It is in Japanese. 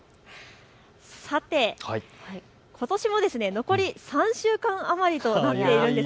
さて、ことしも残り３週間余りとなっているんです。